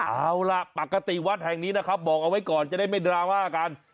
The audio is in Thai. เอาล่ะปกติวัดแห่งนี้นะครับบอกเอาไว้ก่อนจะได้ไม่ดราม่ากัน